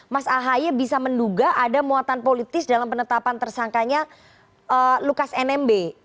mas ahy bisa menduga ada muatan politis dalam penetapan tersangkanya lukas nmb